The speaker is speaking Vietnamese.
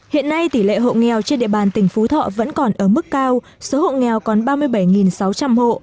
hiện nay tỷ lệ hộ nghèo trên địa bàn tỉnh phú thọ vẫn còn ở mức cao số hộ nghèo còn ba mươi bảy sáu trăm linh hộ